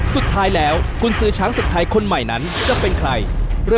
สุดท้ายแล้วคุณซื้อช้างศึกไทยคนใหม่นั้นจะเป็นใคร